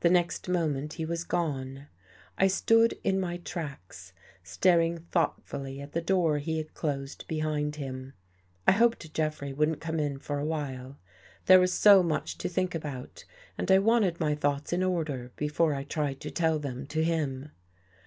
The next moment he was gone. I stood in my tracks, staring thoughtfully at the door he had closed behind him. I hoped Jeffrey wouldn't come in for a while. There was so much to think about and I wanted my thoughts in order before I tried to tell them to him.